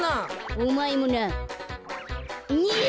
おまえもな。や！